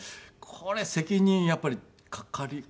これ責任やっぱりかかる感じが。